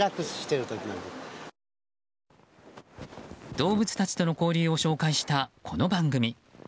動物たちとの交流を紹介したこの番組。